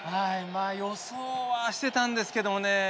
まあ予想はしてたんですけどもね。